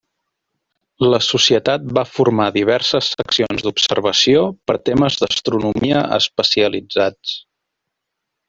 La societat va formar diverses seccions d'observació per temes d'astronomia especialitzats.